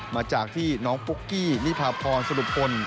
มาจากที่น้องปุ๊กกี้นิพาพรสรุปพล